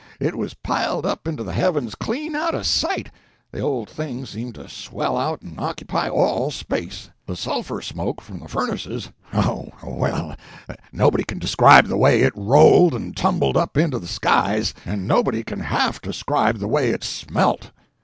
It was piled up into the heavens clean out of sight—the old thing seemed to swell out and occupy all space; the sulphur smoke from the furnaces—oh, well, nobody can describe the way it rolled and tumbled up into the skies, and nobody can half describe the way it smelt.